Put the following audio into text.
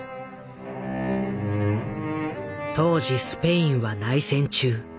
当時スペインは内戦中。